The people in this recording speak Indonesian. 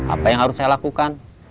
apa yang harus saya lakukan